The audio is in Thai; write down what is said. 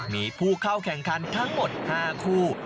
มีผู้เข้าแข่งขันทั้งหมด๕คู่